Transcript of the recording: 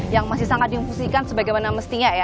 yang masih sangat diungsikan sebagaimana mestinya ya